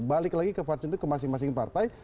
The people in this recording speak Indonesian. balik lagi ke fase itu ke masing masing partai